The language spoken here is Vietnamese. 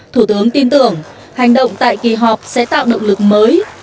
thủ tướng tin tưởng hành động tại kỳ họp sẽ tạo động lực mới